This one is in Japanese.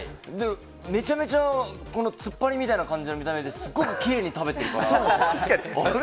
めちゃめちゃつっぱりみたいな感じの見た目で、すごくきれいに食確かに。